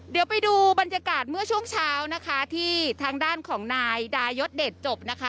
เดี๋ยวไปดูบรรยากาศเมื่อช่วงเช้านะคะที่ทางด้านของนายดายศเดชจบนะคะ